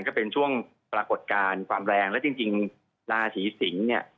ก็เป็นช่วงปรากฏการณ์ความแรงและจริงราศีสิงศ์เนี่ย